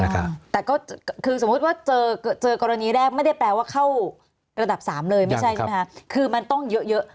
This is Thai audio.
คือสมมุติว่าเจอกรณีแรกไม่ได้แปลว่าเข้าระดับ๓เลยมันมันต้องเยอะ